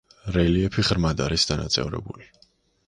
რელიეფი ღრმად არის დანაწევრებული.